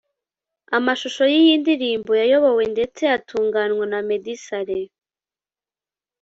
Amashusho y’iyi ndirimbo yayobowe ndetse atunganywa na Meddy Saleh